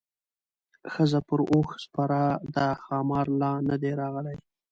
ښځه پر اوښ سپره ده ښامار لا نه دی راغلی.